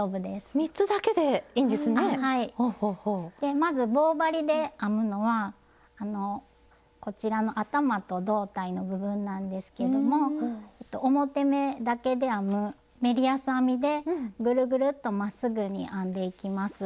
まず棒針で編むのはこちらの頭と胴体の部分なんですけども表目だけで編むメリヤス編みでぐるぐるっとまっすぐに編んでいきます。